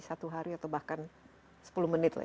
satu hari atau bahkan sepuluh menit lah